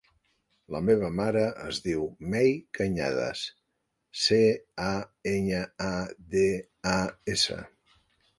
La meva mare es diu Mei Cañadas: ce, a, enya, a, de, a, essa.